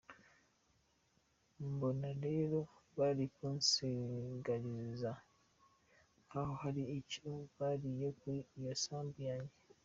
Mbona rero bari kunsiragiza nk’aho hari icyo bariye kuri iyo sambu yanjye”.